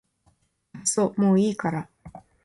あっそもういいから